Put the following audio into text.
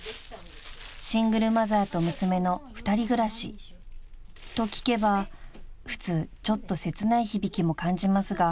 ［シングルマザーと娘の２人暮らしと聞けば普通ちょっと切ない響きも感じますが］